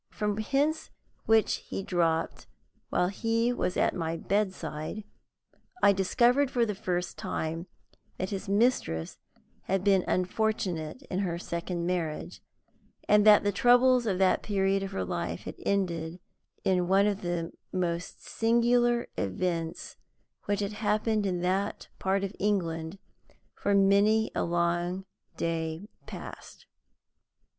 From hints which he dropped while he was at my bedside, I discovered for the first time that his mistress had been unfortunate in her second marriage, and that the troubles of that period of her life had ended in one of the most singular events which had happened in that part of England for many a long day past.